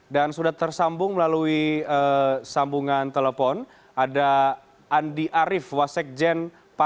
dan sudah tersambung melalui sambungan telepon ada andi arief wasekjen